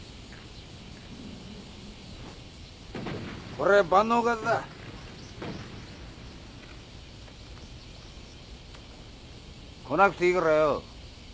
これ晩のおかずだ。来なくていいからよ。